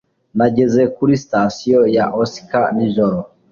Nageze kuri Sitasiyo ya Osaka nijoro.